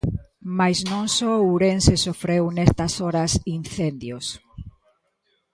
Mais non só Ourense sofreu nestas horas incendios.